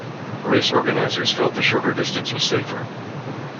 Race organizers felt the shorter distance was safer.